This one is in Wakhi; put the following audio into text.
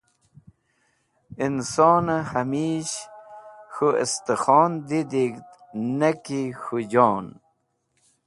Insoni hamish k̃hũ estkhon didig̃ht ne ki k̃hũ jon.